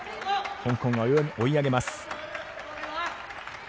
香港が追い上げます。